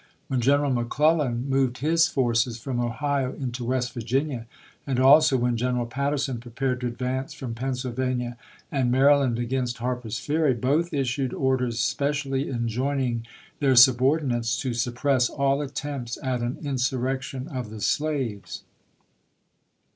When General McClellan moved his forces from Ohio into West Virginia, and also when General Patterson prepared to advance from Penn sylvania and Maryland against Harper's Ferry, both issued orders specially enjoining their sub ordinates to suppress all attempts at an insurrec tion of the slaves.